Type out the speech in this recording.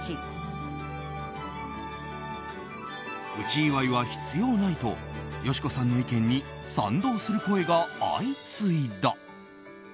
内祝いは必要ないと佳子さんの意見に賛同する声が相次いだ。